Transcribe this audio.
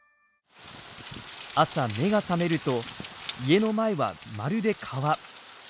朝目が覚めると家の前はまるで川。